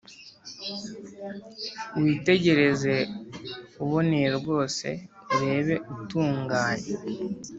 Witegereze uboneye rwose urebe utunganye